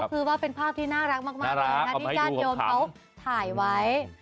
คือว่าเป็นภาพที่น่ารักมากนัทมิจรโยมเขาถ่ายไว้